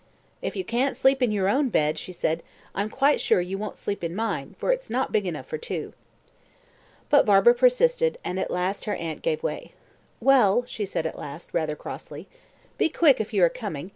"If you can't sleep in your own bed," she said, "I'm quite sure you won't sleep in mine, for it's not big enough for two." But Barbara persisted, and at last her aunt gave way. "Well," she said at last, rather crossly, "be quick if you are coming.